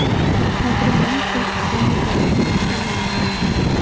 Абри аамҭаз Рома дааҩнашылеит.